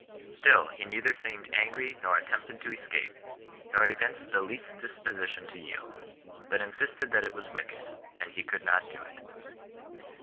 Still he neither seemed angry nor attempted to escape, nor evinced the least disposition to yield ; but insisted that it was wicked, and he could not do it.